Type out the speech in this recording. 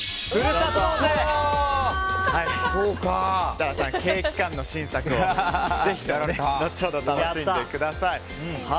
設楽さん、ケーキ缶の新作をぜひ後ほど楽しんでください。